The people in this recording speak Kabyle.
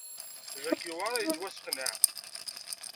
Jack yewɛeṛ ad yettwasseqneɛ.